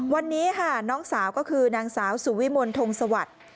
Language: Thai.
วันนี้ค่ะน้องสาวก็คือนางสาวสุวิมลทงสวัสดิ์